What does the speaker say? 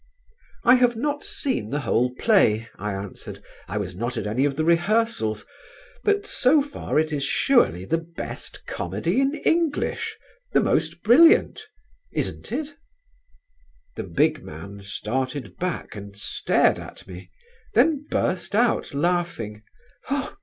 "I have not seen the whole play," I answered. "I was not at any of the rehearsals; but so far it is surely the best comedy in English, the most brilliant: isn't it?" The big man started back and stared at me; then burst out laughing.